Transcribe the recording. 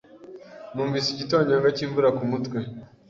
Numvise igitonyanga cyimvura kumutwe.